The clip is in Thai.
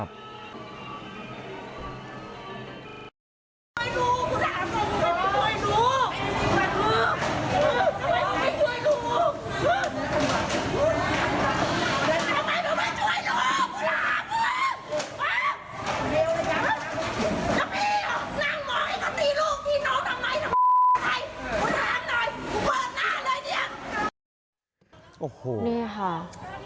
ใจลูกใบน้องต่างไหม